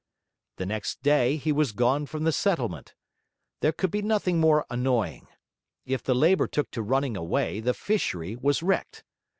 The next day, he was gone from the settlement. There could be nothing more annoying; if the labour took to running away, the fishery was wrecked.